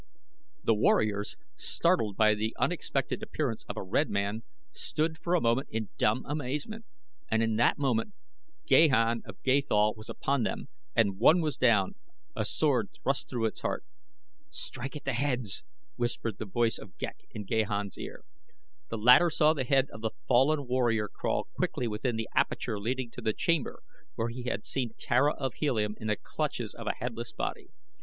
The warriors, startled by the unexpected appearance of a red man, stood for a moment in dumb amazement, and in that moment Gahan of Gathol was upon them, and one was down, a sword thrust through its heart. "Strike at the heads," whispered the voice of Ghek in Gahan's ear. The latter saw the head of the fallen warrior crawl quickly within the aperture leading to the chamber where he had seen Tara of Helium in the clutches of a headless body.